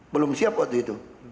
belum siap waktu itu